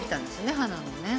花のね。